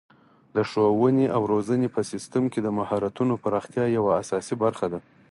د ښوونې او روزنې په سیستم کې د مهارتونو پراختیا یوه اساسي برخه ده.